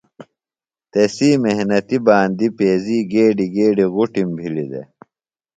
تسی محنتیۡ باندی پیزی گیڈیۡ گیڈیۡ غُٹِم بھلیۡ دےۡ۔